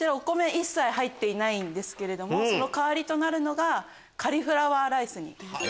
一切入っていないんですけどその代わりとなるのがカリフラワーライス。